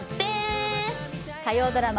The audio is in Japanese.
火曜ドラマ